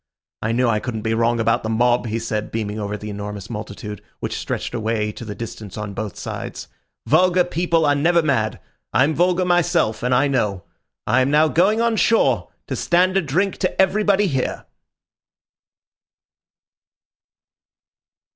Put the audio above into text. I knew I couldn't be wrong about the mob," he said, beaming over the enormous multitude, which stretched away to the distance on both sides. "Vulgar people are never mad. I'm vulgar myself, and I know. I am now going on shore to stand a drink to everybody here."